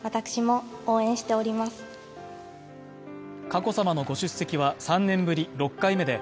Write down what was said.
佳子さまのご出席は３年ぶり６回目で